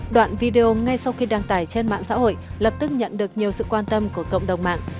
đoạn video ngay sau khi đăng tải trên mạng xã hội lập tức nhận được nhiều sự quan tâm của cộng đồng mạng